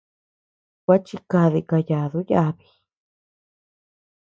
Gua chikadi kayadu yàbi.